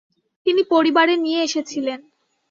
তিনি পরিবারে নিয়ে এসেছিলেন।